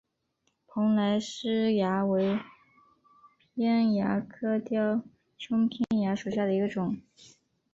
蓬莱虱蚜为扁蚜科雕胸扁蚜属下的一个种。